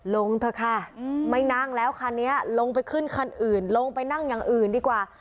ลงเถอะค่ะไม่นั่งแล้วคันนี้ลงไปขึ้นคันอื่นลงไปนั่งอย่างอื่นดีกว่า